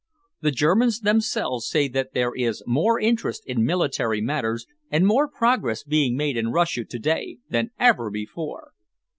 The Germans themselves say that there is more interest in military matters and more progress being made in Russia to day than ever before."